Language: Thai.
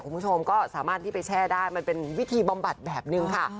คุณผู้ชมก็สามารถที่ไปแช่ได้มันเป็นวิธีบำบัดแบบนึงค่ะ